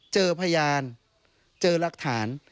เจอพยานเจอรักฐาน